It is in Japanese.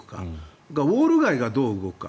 それからウォール街がどう動くか。